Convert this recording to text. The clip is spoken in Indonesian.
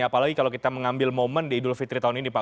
apalagi kalau kita mengambil momen di idul fitri tahun ini pak